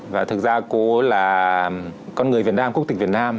và thực ra cố là con người việt nam quốc tịch việt nam